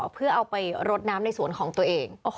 เพื่อเอาไปรดน้ำในสวนของตัวเอง